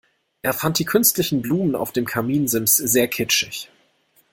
Er fand die künstlichen Blumen auf dem Kaminsims sehr kitschig.